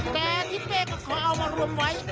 แต่ทิศเป้ก็ขอเอามารวมไว้